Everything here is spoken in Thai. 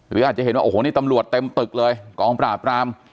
หรืออาจจะเห็นว่าโอ้โหนี่ตำรวจเต็มตึกเลยกองปราบราม